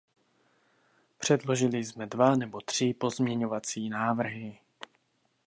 Předložili jsme dva nebo tři pozměňovací návrhy.